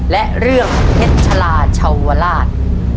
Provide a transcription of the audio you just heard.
และเรื่องเผ็ดชะลาชาววราช